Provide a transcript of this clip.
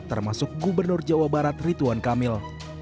termasuk gubernur jawa barat rituan kamil